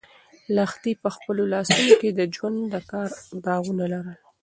لښتې په خپلو لاسو کې د ژوند د کار داغونه لرل.